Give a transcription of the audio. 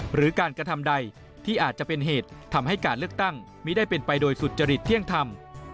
หรือการกระทำใดที่อาจจะเป็นเหตุทำให้การเลือกตั้งไม่ได้เป็นไปโดยสุจริตเที่ยงธรรม